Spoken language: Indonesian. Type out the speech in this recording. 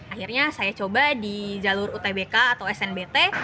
akhirnya saya coba di jalur utbk atau snbt